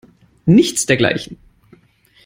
Nichts dergleichen.